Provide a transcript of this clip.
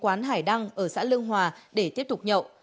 quán hải đăng ở xã lương hòa để tiếp tục nhậu